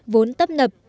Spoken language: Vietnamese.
vốn tấp nập